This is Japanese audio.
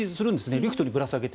リフトにぶら下げて。